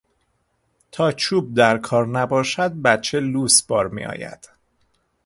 تا چوب در کار نباشد بچه لوس بار میآید